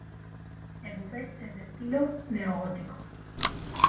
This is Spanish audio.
El buffet es de estilo neogótico.